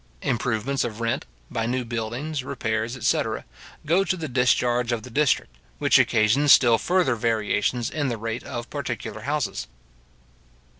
Improvements of rent, by new buildings, repairs, etc. go to the discharge of the district, which occasions still further variations in the rate of particular houses.